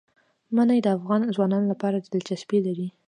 منی د افغان ځوانانو لپاره دلچسپي لري.